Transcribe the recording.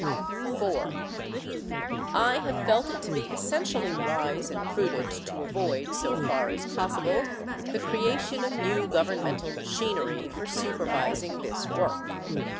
(4) I have felt it to be essentially wise and prudent to avoid, so far as possible, the creation of new governmental machinery for supervising this work.